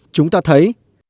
chúng ta thấy